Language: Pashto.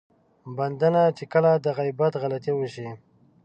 بنده نه چې کله د غيبت غلطي وشي.